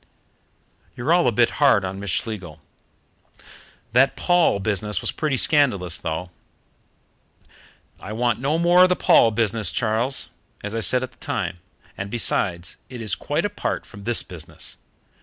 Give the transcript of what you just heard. You're all a bit hard on Miss Schlegel." "That Paul business was pretty scandalous, though." "I want no more of the Paul business, Charles, as I said at the time, and besides, it is quite apart from this business.